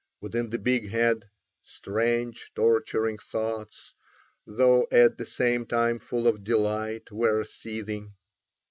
Within the big head strange torturing thoughts, though at the same time full of delight, were seething.